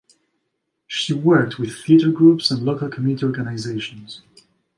She worked with theater groups and local community organizations.